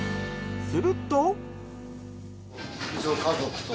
すると。